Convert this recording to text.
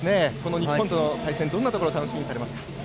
日本との対戦、どんなところを楽しみにされますか。